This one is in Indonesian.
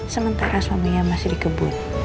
sementara suaminya masih dikebut